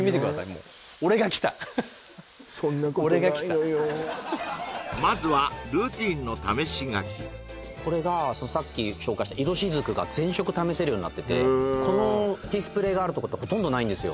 もうまずはこれがさっき紹介した色彩雫が全色試せるようになっててこのディスプレーがあるとこってほとんどないんですよ